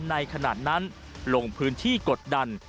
ในขณะนั้นลงพื้นที่กดดัน